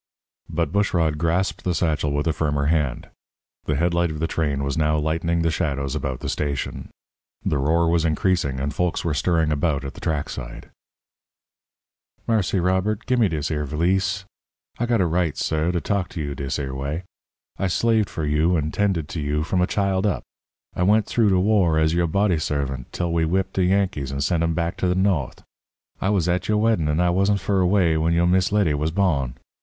But Bushrod grasped the satchel with a firmer hand. The headlight of the train was now lightening the shadows about the station. The roar was increasing, and folks were stirring about at the track side. "Marse Robert, gimme dis 'er' valise. I got a right, suh, to talk to you dis 'er' way. I slaved for you and 'tended to you from a child up. I went th'ough de war as yo' body servant tell we whipped de Yankees and sent 'em back to de No'th. I was at yo' weddin', and I was n' fur away when yo' Miss Letty was bawn.